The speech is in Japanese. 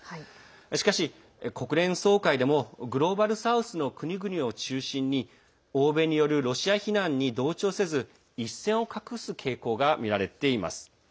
しかし、国連総会でもグローバル・サウスの国々を中心に欧米によるロシア非難に同調せず一線を画す傾向がみられています。